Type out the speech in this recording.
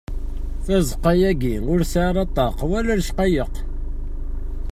Tazeqqa-agi ur tesɛa ṭṭaq wala lecqayeq.